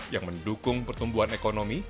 yang mendukung pertumbuhan ekonomi